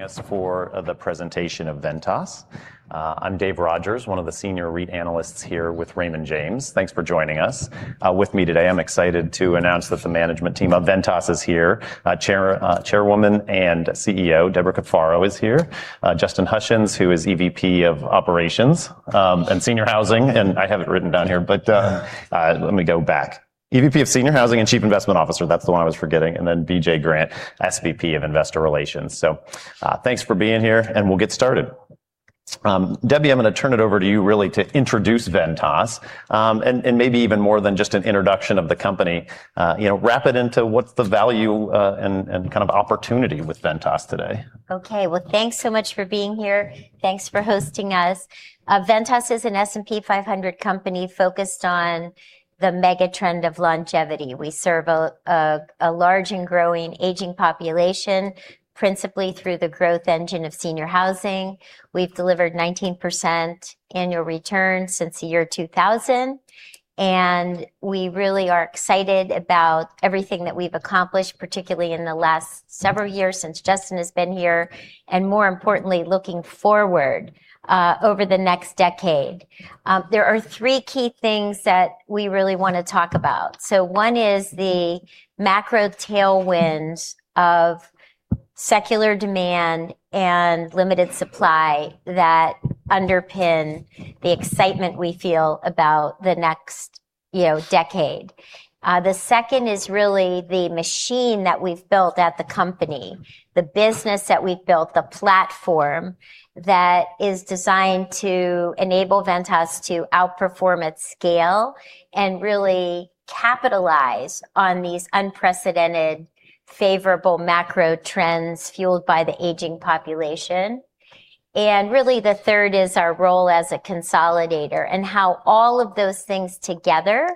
Us for the presentation of Ventas. I'm Dave Rogers, one of the Senior REIT Analysts here with Raymond James. Thanks for joining us. With me today, I'm excited to announce that the management team of Ventas is here. Chairwoman and CEO Debra Cafaro is here. Justin Hutchens, who is EVP of Operations, and Senior Housing, and I have it written down here. Let me go back. EVP of Senior Housing and Chief Investment Officer, that's the one I was forgetting, and then BJ Grant, SVP of Investor Relations. Thanks for being here, and we'll get started. Debbie, I'm gonna turn it over to you really to introduce Ventas, and maybe even more than just an introduction of the company you know, wrap it into what's the value, and kind of opportunity with Ventas today. Okay. Well, thanks so much for being here. Thanks for hosting us. Ventas is an S&P 500 company focused on the mega trend of longevity. We serve a large and growing aging population, principally through the growth engine of senior housing. We've delivered 19% annual returns since the year 2000. We really are excited about everything that we've accomplished, particularly in the last several years since Justin has been here, and more importantly, looking forward over the next decade. There are three key things that we really wanna talk about. One is the macro tailwinds of secular demand and limited supply that underpin the excitement we feel about the next, you know, decade. The second is really the machine that we've built at the company, the business that we've built, the platform that is designed to enable Ventas to outperform at scale and really capitalize on these unprecedented favorable macro trends fueled by the aging population. The third is our role as a consolidator and how all of those things together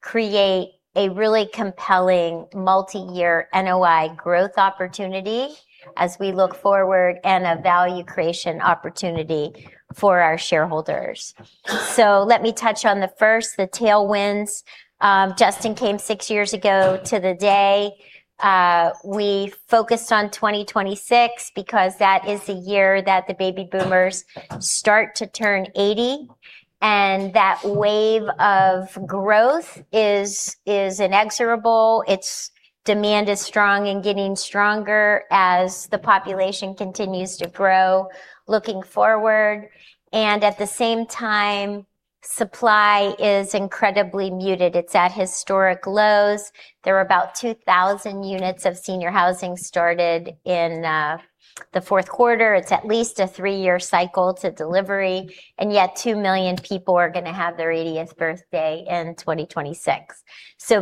create a really compelling multiyear NOI growth opportunity as we look forward and a value creation opportunity for our shareholders. Let me touch on the first, the tailwinds. Justin came six years ago to the day. We focused on 2026 because that is the year that the baby boomers start to turn 80, and that wave of growth is inexorable. Its demand is strong and getting stronger as the population continues to grow looking forward, and at the same time, supply is incredibly muted. It's at historic lows. There were about 2,000 units of senior housing started in the fourth quarter. It's at least a three-year cycle to delivery, yet 2 million people are gonna have their eightieth birthday in 2026.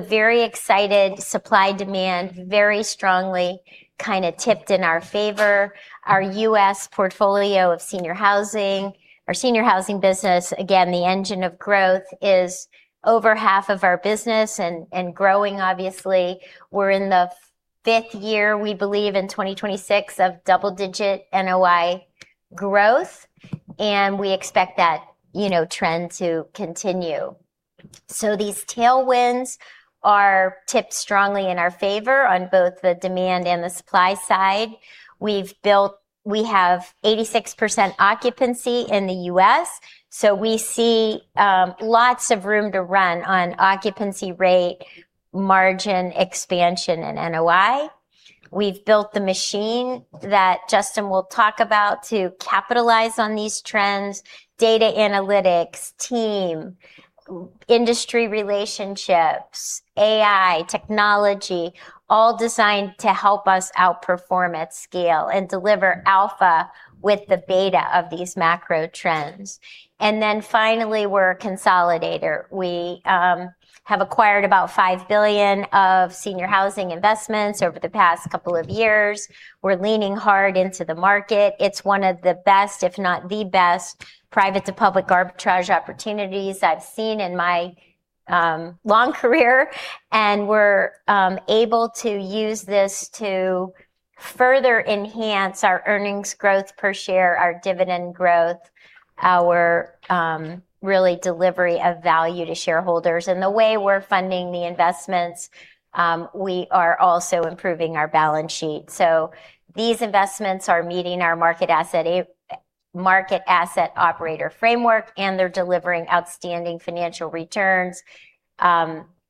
Very excited. Supply-demand very strongly kinda tipped in our favor. Our U.S. portfolio of senior housing or senior housing business, again, the engine of growth is over half of our business and growing obviously. We're in the fifth year, we believe, in 2026 of double-digit NOI growth, we expect that, you know, trend to continue. These tailwinds are tipped strongly in our favor on both the demand and the supply side. We have 86% occupancy in the U.S., we see lots of room to run on occupancy rate, margin expansion, and NOI. We've built the machine that Justin will talk about to capitalize on these trends, data analytics, team, industry relationships, AI, technology, all designed to help us outperform at scale and deliver alpha with the beta of these macro trends. Finally, we have acquired about $5 billion of senior housing investments over the past couple of years. We're leaning hard into the market. It's one of the best, if not the best, private-to-public arbitrage opportunities I've seen in my long career, we're able to use this to further enhance our earnings growth per share, our dividend growth, our really delivery of value to shareholders. The way we're funding the investments, we are also improving our balance sheet. These investments are meeting our market asset operator framework, they're delivering outstanding financial returns.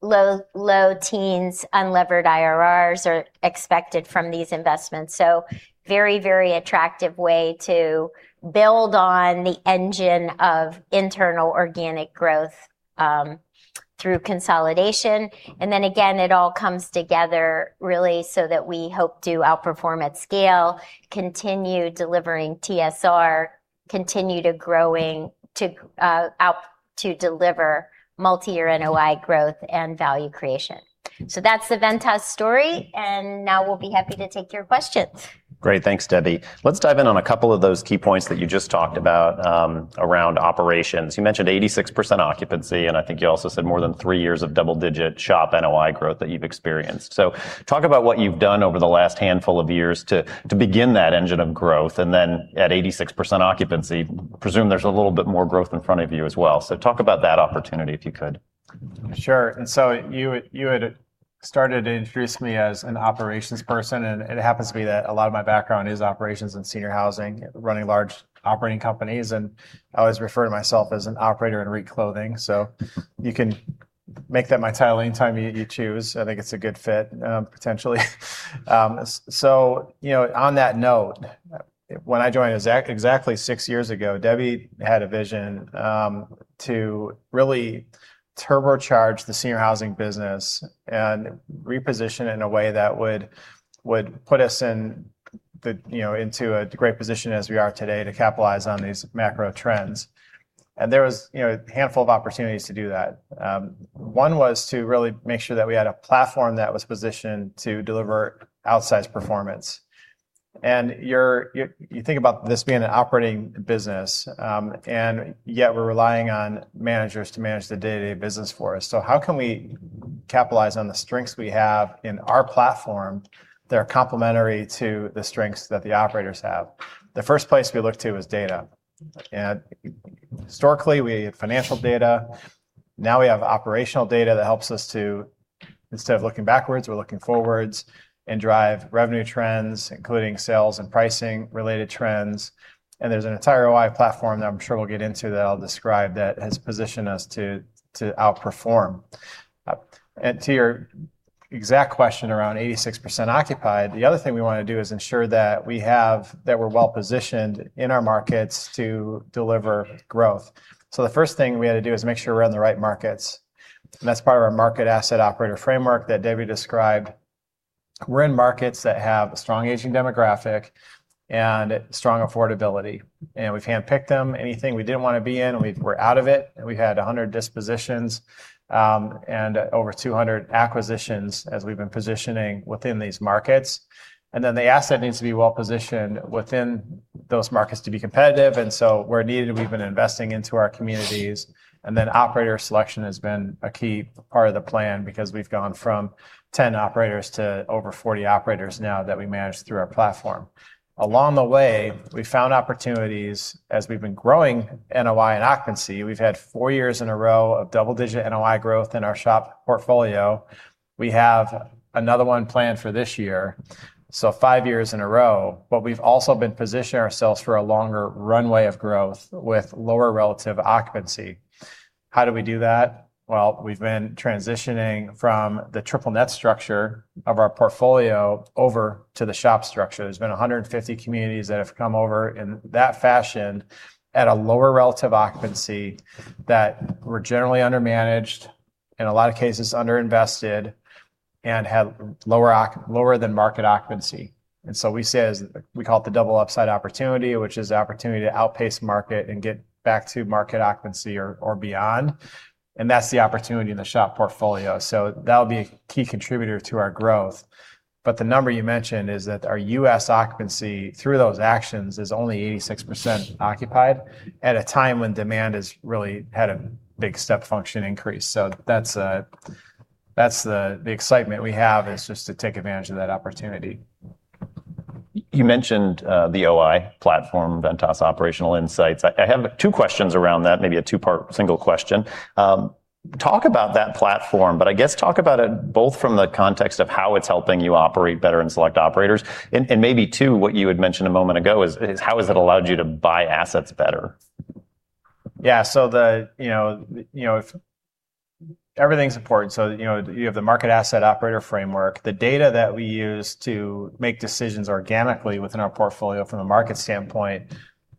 Low teens unlevered IRRs are expected from these investments, so very, very attractive way to build on the engine of internal organic growth through consolidation. Again, it all comes together really so that we hope to outperform at scale, continue delivering TSR, continue to growing to deliver multiyear NOI growth and value creation. That's the Ventas story, and now we'll be happy to take your questions. Great. Thanks, Debbie. Let's dive in on a couple of those key points that you just talked about, around operations. You mentioned 86% occupancy, and I think you also said more than three years of double-digit SHOP NOI growth that you've experienced. Talk about what you've done over the last handful of years to begin that engine of growth, and then at 86% occupancy, presume there's a little bit more growth in front of you as well. Talk about that opportunity, if you could. Sure. You had. Started to introduce me as an operations person, it happens to be that a lot of my background is operations and senior housing, running large operating companies. I always refer to myself as an operator in reclothing. You can make that my title any time you choose. I think it's a good fit, potentially. So, you know, on that note, when I joined exactly six years ago, Debbie had a vision to really turbocharge the senior housing business and reposition it in a way that would put us in the, you know, into a great position as we are today to capitalize on these macro trends. There was, you know, a handful of opportunities to do that. One was to really make sure that we had a platform that was positioned to deliver outsized performance. You think about this being an operating business, and yet we're relying on managers to manage the day-to-day business for us. How can we capitalize on the strengths we have in our platform that are complementary to the strengths that the operators have? The first place we looked to was data. Historically, we had financial data. Now we have operational data that helps us to, instead of looking backwards, we're looking forwards and drive revenue trends, including sales and pricing-related trends. There's an entire OI platform that I'm sure we'll get into that I'll describe that has positioned us to outperform. To your exact question, around 86% occupied, the other thing we wanna do is ensure that we're well-positioned in our markets to deliver growth. The first thing we had to do is make sure we're in the right markets, and that's part of our market, asset, and operator framework that Debbie described. We're in markets that have a strong aging demographic and strong affordability, and we've handpicked them. Anything we didn't wanna be in, we're out of it, and we had 100 dispositions, and over 200 acquisitions as we've been positioning within these markets. The asset needs to be well-positioned within those markets to be competitive. Where needed, we've been investing into our communities. Operator selection has been a key part of the plan because we've gone from 10 operators to over 40 operators now that we manage through our platform. Along the way, we found opportunities as we've been growing NOI and occupancy. We've had four years in a row of double-digit NOI growth in our SHOP portfolio. We have another one planned for this year, five years in a row. We've also been positioning ourselves for a longer runway of growth with lower relative occupancy. How do we do that? Well, we've been transitioning from the triple net structure of our portfolio over to the SHOP structure. There's been 150 communities that have come over in that fashion at a lower relative occupancy that were generally under-managed, in a lot of cases under-invested, and had lower than market occupancy. We call it the double upside opportunity, which is the opportunity to outpace market and get back to market occupancy or beyond. That's the opportunity in the SHOP portfolio. That'll be a key contributor to our growth. The number you mentioned is that our U.S. occupancy through those actions is only 86% occupied at a time when demand has really had a big step function increase. That's the excitement we have, is just to take advantage of that opportunity. You mentioned the OI platform, Ventas Operational Insights. I have two questions around that, maybe a two-part single question. Talk about that platform, but I guess talk about it both from the context of how it's helping you operate better and select operators and maybe too, what you had mentioned a moment ago, is how has it allowed you to buy assets better? Yeah. The, you know, you know, everything's important. You know, you have the market asset operator framework. The data that we use to make decisions organically within our portfolio from a market standpoint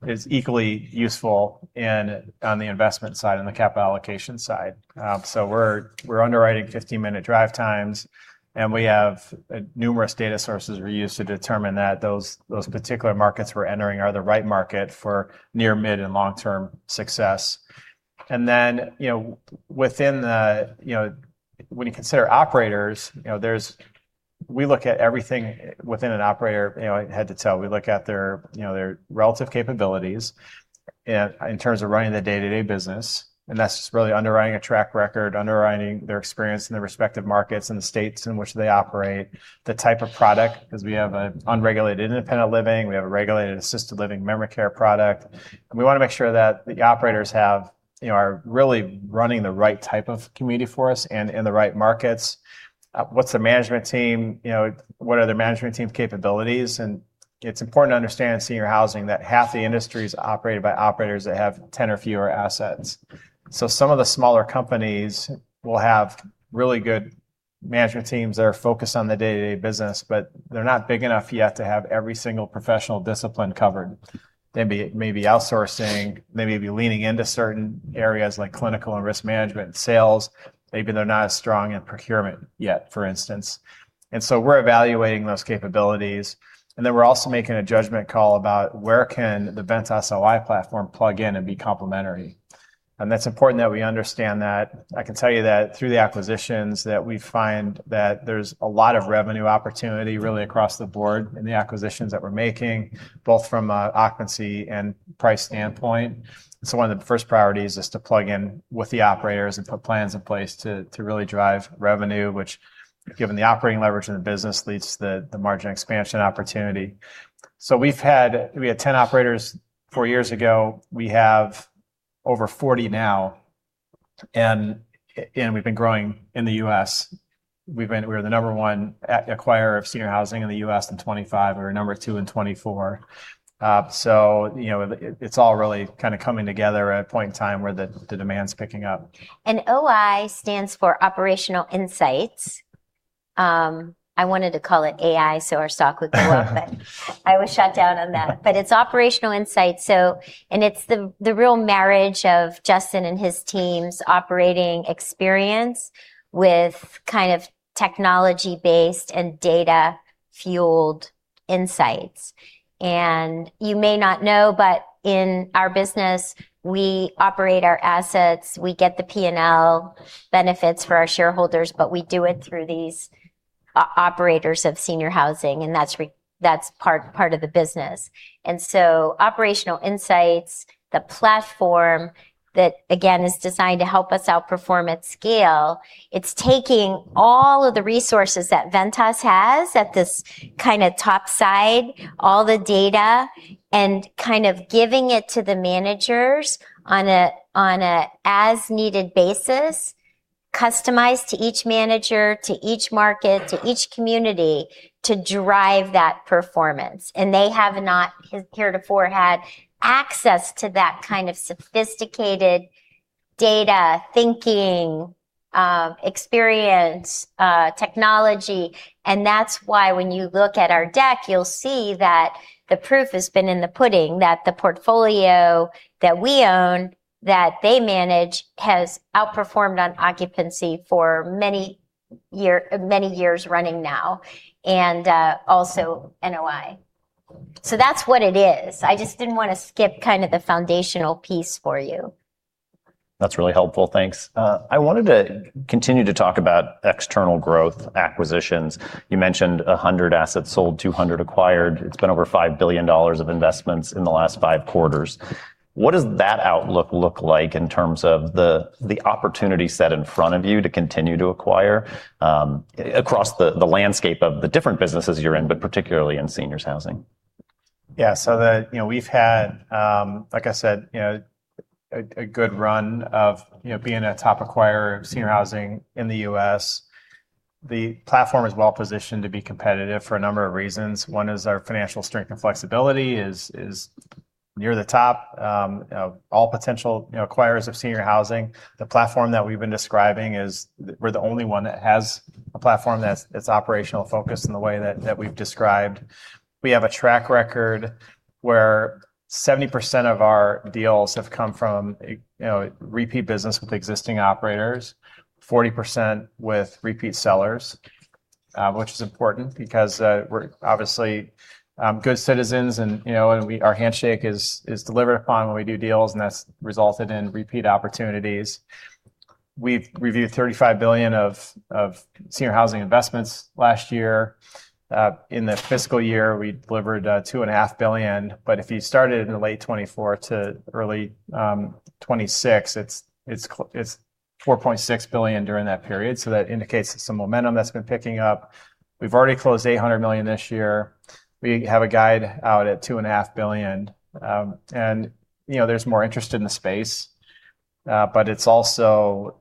is equally useful on the investment side and the capital allocation side. We're underwriting 50-minute drive times, and we have numerous data sources we use to determine that those particular markets we're entering are the right market for near, mid, and long-term success. You know, within the, you know, when you consider operators, you know, we look at everything within an operator, you know, head to toe. We look at their, you know, their relative capabilities in terms of running the day-to-day business, and that's really underwriting a track record, underwriting their experience in the respective markets and the states in which they operate, the type of product, because we have an unregulated independent living, we have a regulated assisted living memory care product. We wanna make sure that the operators have, you know, are really running the right type of community for us and in the right markets. What's the management team? You know, what are their management team's capabilities? It's important to understand in senior housing that half the industry is operated by operators that have 10 or fewer assets. Some of the smaller companies will have really good management teams that are focused on the day-to-day business, but they're not big enough yet to have every single professional discipline covered. They'd be maybe outsourcing, maybe be leaning into certain areas like clinical and risk management and sales. Maybe they're not as strong in procurement yet, for instance. We're evaluating those capabilities, and then we're also making a judgment call about where can the Ventas OI platform plug in and be complementary. That's important that we understand that. I can tell you that through the acquisitions that we find that there's a lot of revenue opportunity really across the board in the acquisitions that we're making, both from a occupancy and price standpoint. One of the first priorities is to plug in with the operators and put plans in place to really drive revenue, which, given the operating leverage in the business, leads to the margin expansion opportunity. We had 10 operators four years ago. Over 40 now, we've been growing in the U.S. We're the number one acquirer of senior housing in the U.S. in 2025. We were number two in 2024. You know, it's all really kinda coming together at a point in time where the demand's picking up. OI stands for Operational Insights. I wanted to call it AI so our stock would go up. I was shut down on that. It's Operational Insights. It's the real marriage of Justin and his team's operating experience with kind of technology-based and data-fueled insights. You may not know, but in our business, we operate our assets, we get the P&L benefits for our shareholders, but we do it through these operators of senior housing, and that's part of the business. Operational Insights, the platform that, again, is designed to help us outperform at scale, it's taking all of the resources that Ventas has at this kinda top side, all the data, and kind of giving it to the managers on a as-needed basis, customized to each manager, to each market, to each community to drive that performance. They have not heretofore had access to that kind of sophisticated data, thinking, experience, technology, and that's why when you look at our deck, you'll see that the proof has been in the pudding that the portfolio that we own that they manage has outperformed on occupancy for many years running now, and also NOI. That's what it is. I just didn't wanna skip kinda the foundational piece for you. That's really helpful. Thanks. I wanted to continue to talk about external growth acquisitions. You mentioned 100 assets sold, 200 acquired. It's been over $5 billion of investments in the last 5 quarters. What does that outlook look like in terms of the opportunity set in front of you to continue to acquire, across the landscape of the different businesses you're in, but particularly in seniors housing? Yeah. You know, we've had, like I said, you know, a good run of, you know, being a top acquirer of senior housing in the U.S. The platform is well-positioned to be competitive for a number of reasons. One is our financial strength and flexibility is near the top of all potential, you know, acquirers of senior housing. The platform that we've been describing we're the only one that has a platform that's operational focused in the way that we've described. We have a track record where 70% of our deals have come from, you know, repeat business with existing operators, 40% with repeat sellers, which is important because we're obviously good citizens and, you know, and we, our handshake is delivered upon when we do deals, and that's resulted in repeat opportunities. We've reviewed $35 billion of senior housing investments last year. In the fiscal year, we delivered $2.5 billion, if you started in late 2024 to early 2026, it's $4.6 billion during that period, that indicates some momentum that's been picking up. We've already closed $800 million this year. We have a guide out at $2.5 billion. You know, there's more interest in the space, it's also,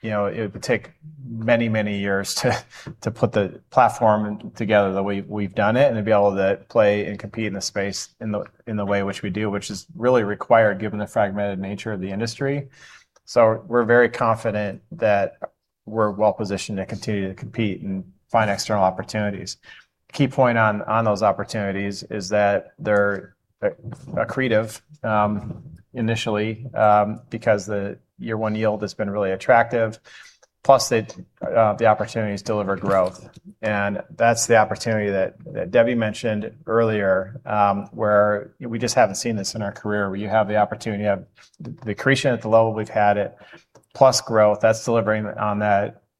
you know, it would take many, many years to put the platform together the way we've done it and to be able to play and compete in the space in the way which we do, which is really required given the fragmented nature of the industry. We're very confident that we're well-positioned to continue to compete and find external opportunities. Key point on those opportunities is that they're accretive initially because the year one yield has been really attractive. The opportunities deliver growth, and that's the opportunity that Debbie mentioned earlier, where we just haven't seen this in our career, where you have the opportunity, you have the accretion at the level we've had it, plus growth. That's delivering on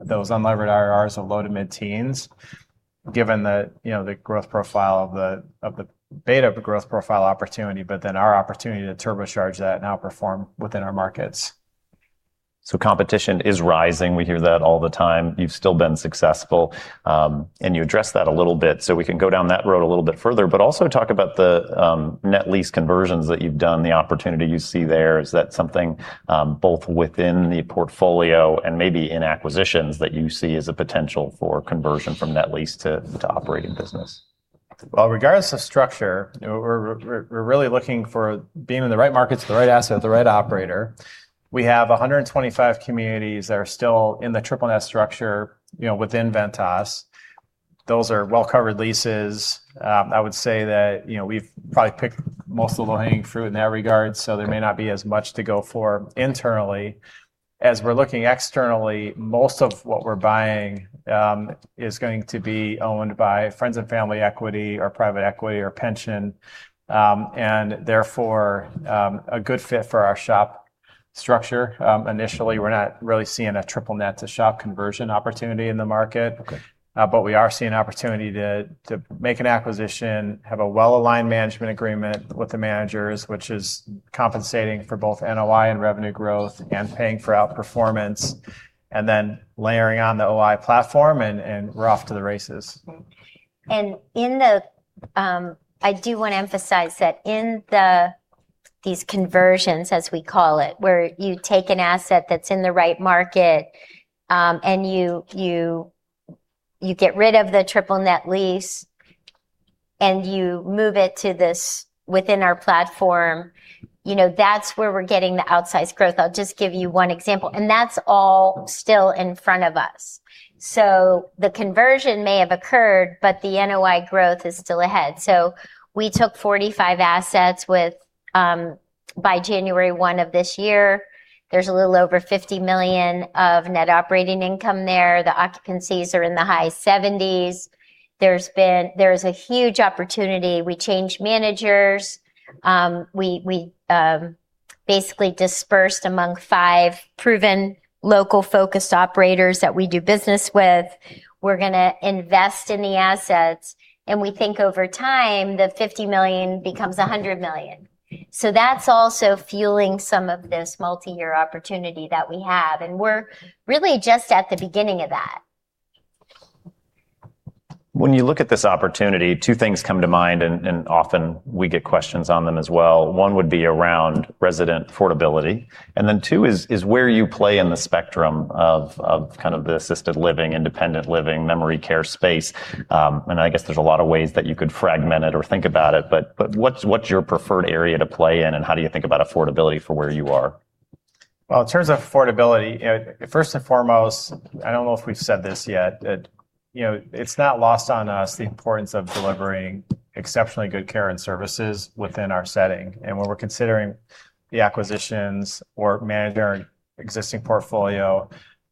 those unlevered IRRs of low to mid-teens given the, you know, the growth profile of the beta growth profile opportunity, our opportunity to turbocharge that and outperform within our markets. Competition is rising. We hear that all the time. You've still been successful, and you addressed that a little bit. We can go down that road a little bit further, but also talk about the net lease conversions that you've done, the opportunity you see there. Is that something both within the portfolio and maybe in acquisitions that you see as a potential for conversion from net lease to operating business? Regardless of structure, you know, we're really looking for being in the right markets with the right asset with the right operator. We have 125 communities that are still in the triple net structure, you know, within Ventas. Those are well-covered leases. I would say that, you know, we've probably picked most of the low-hanging fruit in that regard, so there may not be as much to go for internally. We're looking externally, most of what we're buying is going to be owned by friends and family equity or private equity or pension, and therefore, a good fit for our SHOP structure. Initially, we're not really seeing a triple net to SHOP conversion opportunity in the market. Okay. We are seeing opportunity to make an acquisition, have a well-aligned management agreement with the managers, which is compensating for both NOI and revenue growth and paying for outperformance, and then layering on the OI platform, and we're off to the races. In the, I do want to emphasize that in the, these conversions as we call it, where you take an asset that's in the right market, and you get rid of the triple net lease, and you move it to this within our platform, you know, that's where we're getting the outsized growth. I'll just give you one example, and that's all still in front of us. The conversion may have occurred, but the NOI growth is still ahead. We took 45 assets by January 1 of this year. There's a little over $50 million of net operating income there. The occupancies are in the high 70s. There's a huge opportunity. We changed managers. We basically dispersed among five proven local-focused operators that we do business with. We're gonna invest in the assets, and we think over time, the $50 million becomes $100 million. That's also fueling some of this multi-year opportunity that we have, and we're really just at the beginning of that. When you look at this opportunity, two things come to mind, and often we get questions on them as well. One would be around resident affordability, and then two is where you play in the spectrum of kind of the assisted living, independent living, memory care space. I guess there's a lot of ways that you could fragment it or think about it, but what's your preferred area to play in, and how do you think about affordability for where you are? Well, in terms of affordability, you know, first and foremost, I don't know if we've said this yet, you know, it's not lost on us the importance of delivering exceptionally good care and services within our setting. When we're considering the acquisitions or managing our existing portfolio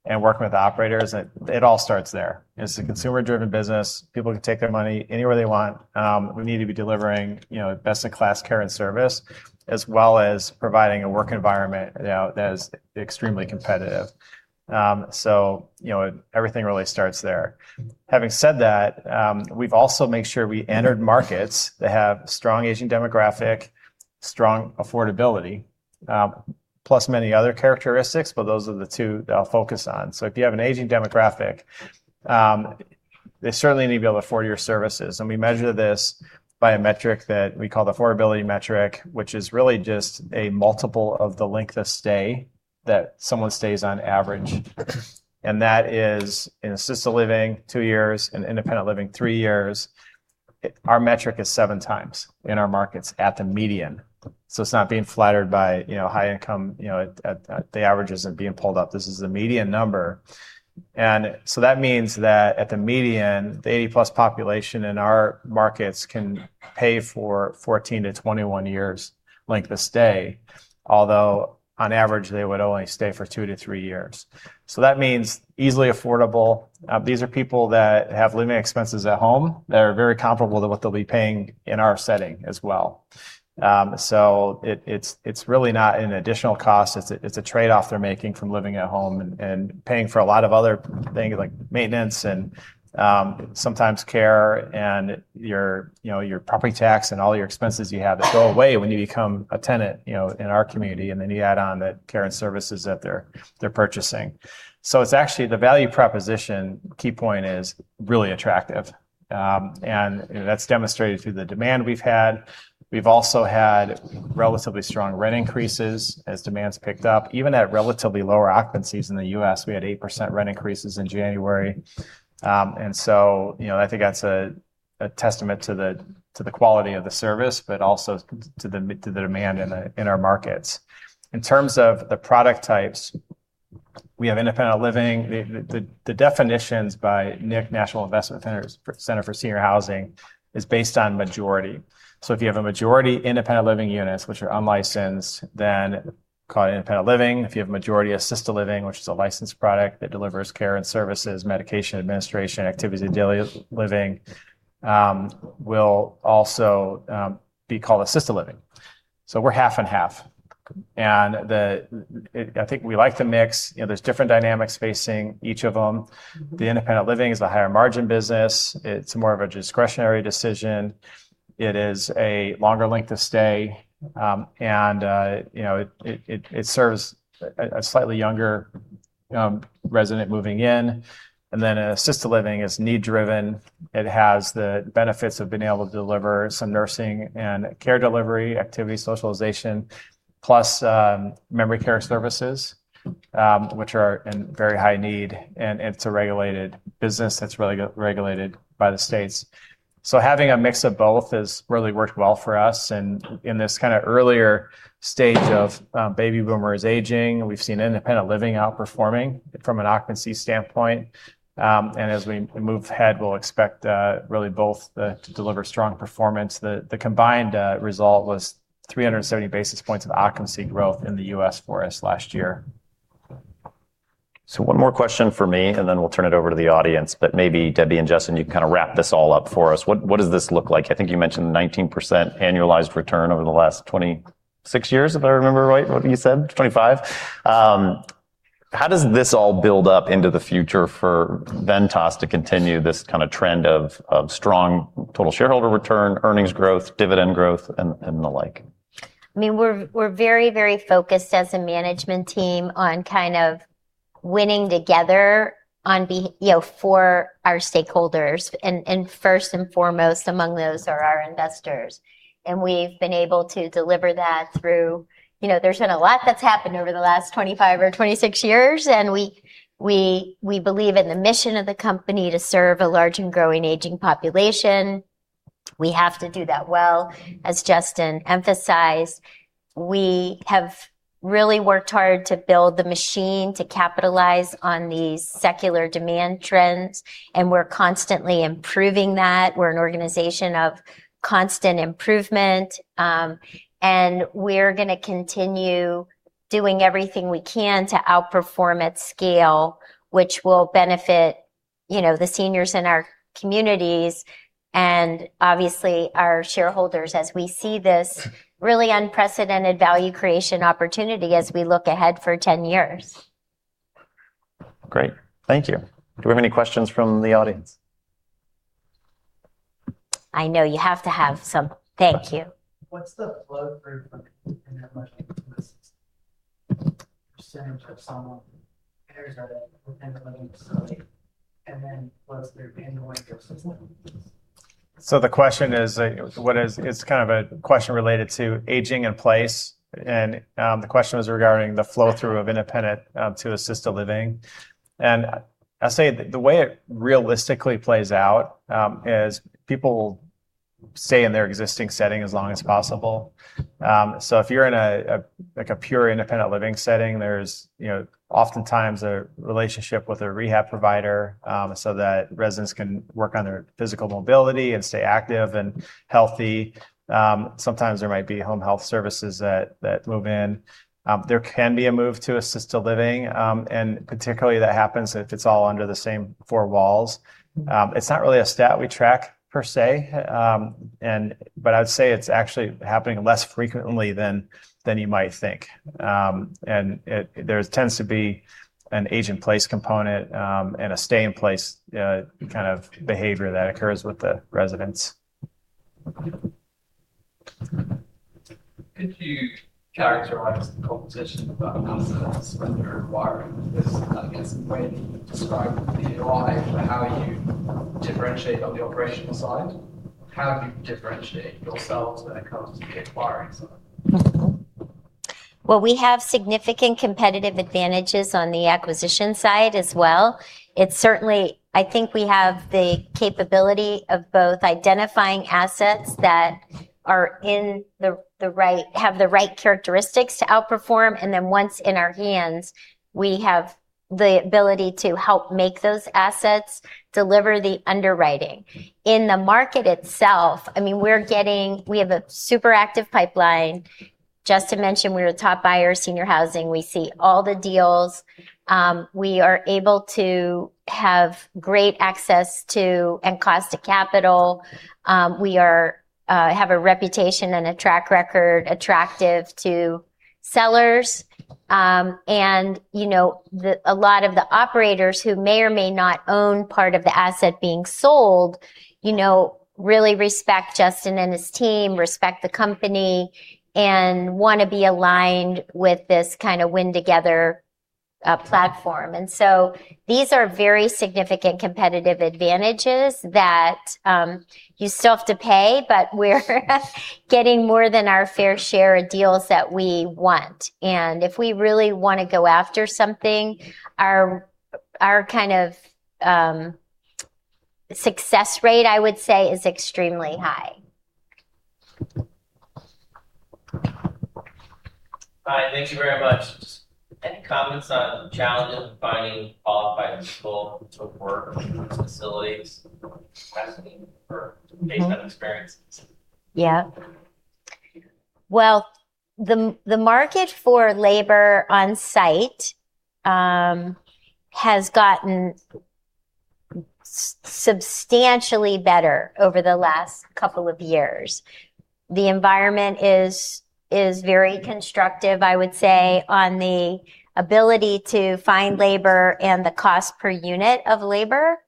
and working with operators, it all starts there. It's a consumer-driven business. People can take their money anywhere they want. We need to be delivering, you know, best in class care and service, as well as providing a work environment, you know, that is extremely competitive. You know, everything really starts there. Having said that, we've also made sure we entered markets that have strong aging demographic, strong affordability, plus many other characteristics, but those are the two that I'll focus on. If you have an aging demographic, they certainly need to be able to afford your services, and we measure this by a metric that we call the affordability metric, which is really just a multiple of the length of stay that someone stays on average. That is in assisted living, two years, in independent living, three years. Our metric is 7x in our markets at the median. It's not being flattered by, you know, high income. You know, at the average isn't being pulled up. This is a median number. That means that at the median, the 80+ population in our markets can pay for 14 years-21 years length of stay, although on average, they would only stay for two years-three years. That means easily affordable. These are people that have living expenses at home that are very comparable to what they'll be paying in our setting as well. It's, it's really not an additional cost. It's a, it's a trade-off they're making from living at home and paying for a lot of other things like maintenance and, sometimes care and your, you know, your property tax and all your expenses you have that go away when you become a tenant, you know, in our community, and then you add on the care and services that they're purchasing. It's actually the value proposition key point is really attractive, and that's demonstrated through the demand we've had. We've also had relatively strong rent increases as demand's picked up. Even at relatively lower occupancies in the U.S., we had 8% rent increases in January. You know, I think that's a testament to the, to the quality of the service, but also to the, to the demand in the, in our markets. In terms of the product types, we have independent living. The definitions by NIC, National Investment Center for Seniors Housing is based on majority. If you have a majority independent living units, which are unlicensed, then called independent living. If you have a majority assisted living, which is a licensed product that delivers care and services, medication administration, activities of daily living, will also, be called assisted living. We're half and half. I think we like the mix. You know, there's different dynamics facing each of them. The independent living is the higher margin business. It's more of a discretionary decision. It is a longer length of stay, you know, it, it serves a slightly younger resident moving in. Then assisted living is need driven. It has the benefits of being able to deliver some nursing and care delivery, activity, socialization, plus, memory care services, which are in very high need, and it's a regulated business that's regulated by the states. Having a mix of both has really worked well for us. In this kind of earlier stage of baby boomers aging, we've seen independent living outperforming from an occupancy standpoint. As we move ahead, we'll expect really both to deliver strong performance. The combined result was 370 basis points of occupancy growth in the U.S. for us last year. One more question from me, and then we'll turn it over to the audience. Maybe Debbie and Justin, you can kind of wrap this all up for us. What does this look like? I think you mentioned 19% annualized return over the last 26 years, if I remember right what you said, 25 years. How does this all build up into the future for Ventas to continue this kind of trend of strong total shareholder return, earnings growth, dividend growth, and the like? I mean, we're very, very focused as a management team on kind of winning together on you know, for our stakeholders. First and foremost among those are our investors. We've been able to deliver that through... You know, there's been a lot that's happened over the last 25 years or 26 years, and we believe in the mission of the company to serve a large and growing aging population. We have to do that well. As Justin emphasized, we have really worked hard to build the machine to capitalize on these secular demand trends, and we're constantly improving that. We're an organization of constant improvement. We're gonna continue doing everything we can to outperform at scale, which will benefit, you know, the seniors in our communities and obviously our shareholders as we see this really unprecedented value creation opportunity as we look ahead for 10 years. Great. Thank you. Do we have any questions from the audience? I know you have to have some. Thank you. What's the flow through from an independent living to assisted living? Percentage of someone enters at an independent living facility, and then what is their annual income since then? The question is, it's kind of a question related to aging in place, and the question was regarding the flow through of independent to assisted living. I'd say the way it realistically plays out, is people stay in their existing setting as long as possible. If you're in a like a pure independent living setting, there's, you know, oftentimes a relationship with a rehab provider, so that residents can work on their physical mobility and stay active and healthy. Sometimes there might be home health services that move in. There can be a move to assisted living, particularly that happens if it's all under the same four walls. It's not really a stat we track per se. I'd say it's actually happening less frequently than you might think. There tends to be an age in place component, and a stay in place, kind of behavior that occurs with the residents. Could you characterize the competition about assets when you're acquiring? I guess the way that you describe the ROI for how you differentiate on the operational side, how do you differentiate yourselves when it comes to the acquiring side? Well, we have significant competitive advantages on the acquisition side as well. I think we have the capability of both identifying assets that have the right characteristics to outperform, then once in our hands, we have the ability to help make those assets deliver the underwriting. In the market itself, I mean, We have a super active pipeline. Justin mentioned we're a top buyer, senior housing. We see all the deals. We are able to have great access to and cost to capital. We are have a reputation and a track record attractive to sellers. You know, the, a lot of the operators who may or may not own part of the asset being sold, you know, really respect Justin and his team, respect the company, and wanna be aligned with this kind of win together platform. These are very significant competitive advantages that you still have to pay, but we're getting more than our fair share of deals that we want. If we really wanna go after something, our kind of success rate, I would say, is extremely high. Hi, thank you very much. Any comments on challenges of finding qualified people to work in these facilities, especially for based on experiences? Well, the market for labor on site has gotten substantially better over the last couple of years. The environment is very constructive, I would say, on the ability to find labor and the cost per unit of labor.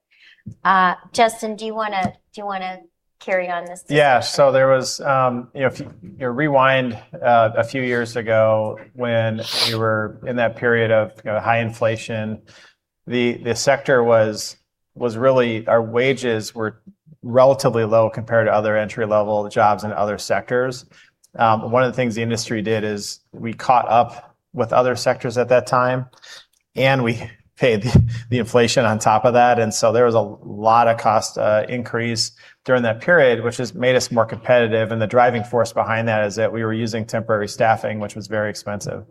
Justin, do you wanna carry on this? Yeah. There was, you know, if you know, rewind a few years ago when we were in that period of, you know, high inflation, the sector was. Our wages were relatively low compared to other entry-level jobs in other sectors. One of the things the industry did is we caught up with other sectors at that time, and we paid the inflation on top of that. There was a lot of cost increase during that period, which has made us more competitive. The driving force behind that is that we were using temporary staffing, which was very expensive.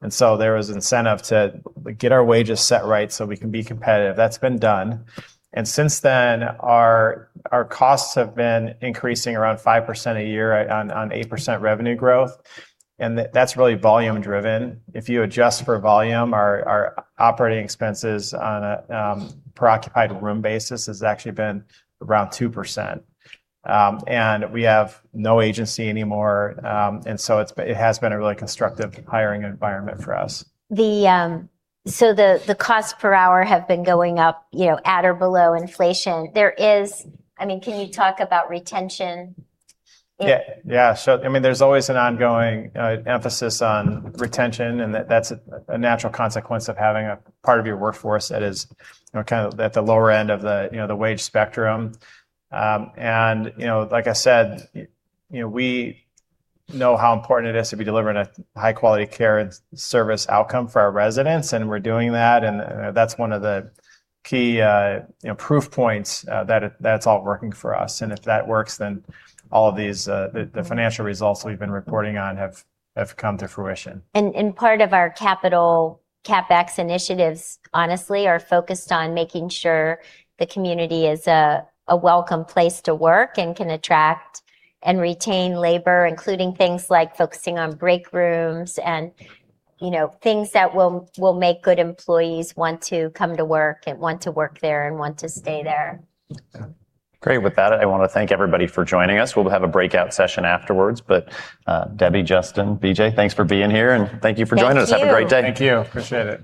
There was incentive to get our wages set right so we can be competitive. That's been done. Since then, our costs have been increasing around 5% a year on 8% revenue growth. That's really volume driven. If you adjust for volume, our operating expenses on a per occupied room basis has actually been around 2%. We have no agency anymore. It has been a really constructive hiring environment for us. The costs per hour have been going up, you know, at or below inflation. I mean, can you talk about retention? Yeah. Yeah. I mean, there's always an ongoing emphasis on retention, and that's a natural consequence of having a part of your workforce that is, you know, kind of at the lower end of the, you know, the wage spectrum. You know, like I said, you know, we know how important it is to be delivering a high quality care and service outcome for our residents, and we're doing that, and that's one of the key, you know, proof points, that's all working for us. If that works, then all of these, the financial results we've been reporting on have come to fruition. Part of our capital CapEx initiatives, honestly, are focused on making sure the community is a welcome place to work and can attract and retain labor, including things like focusing on break rooms and, you know, things that will make good employees want to come to work and want to work there and want to stay there. Yeah. Great. With that, I wanna thank everybody for joining us. We'll have a breakout session afterwards. Debbie, Justin, BJ, thanks for being here, and thank you for joining us. Thank you. Have a great day. Thank you. Appreciate it.